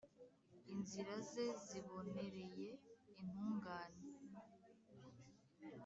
Inzira ze zibonereye intungane,